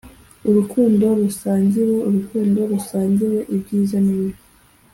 urukundo rusangiwe: urukundo rusangiwe ibyiza nibibi